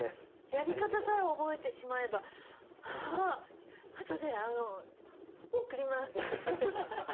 やり方さえ覚えてしまえばああとで送ります！